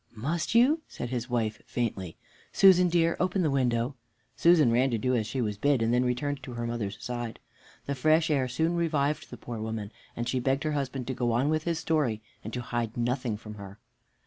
"Must you?" said his wife faintly. "Susan dear, open the window." Susan ran to do as she was bid, and then returned to her mother's side. The fresh air soon revived the poor woman, and she begged her husband to go on with his story, and to hide nothing from her.